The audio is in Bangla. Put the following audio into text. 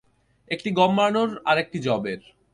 একটি গম মাড়ানোর এবং আরেকটি যবের।